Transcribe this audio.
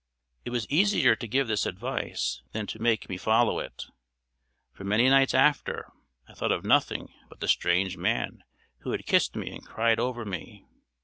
It was easier to give this advice than to make me follow it. For many nights after, I thought of nothing but the strange man who had kissed me and cried over me.